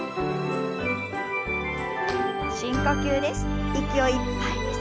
深呼吸です。